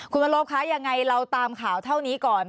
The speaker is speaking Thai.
คุณวรบคะยังไงเราตามข่าวเท่านี้ก่อน